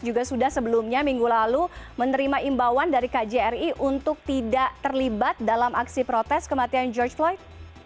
juga sudah sebelumnya minggu lalu menerima imbauan dari kjri untuk tidak terlibat dalam aksi protes kematian george floyd